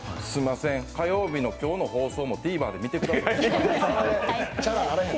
火曜日の今日の放送もＴＶｅｒで見てください。